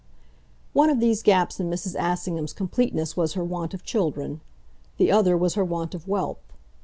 One of these gaps in Mrs. Assingham's completeness was her want of children; the other was her want of wealth.